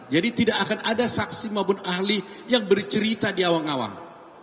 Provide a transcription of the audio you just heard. jadi tidak akan ada saksi maupun ahli yang bercerita di awang awang